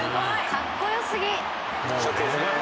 かっこよすぎ！